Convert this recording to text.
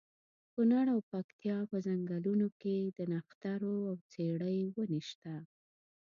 کونړ او پکتیا په ځنګلونو کې د نښترو او څېړۍ ونې شته.